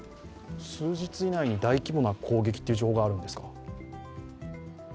数日以内に大規模な攻撃という情報があるんですか？